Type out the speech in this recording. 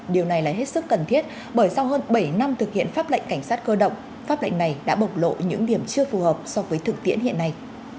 điều này là hết sức cần thiết bởi sau hơn bảy năm thực hiện pháp lệnh cảnh sát cơ động pháp lệnh này đã bộc lộ những điểm chưa phù hợp so với thực tiễn hiện nay